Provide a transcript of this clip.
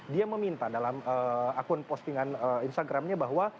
dia meminta dalam akun postingan instagramnya bahwa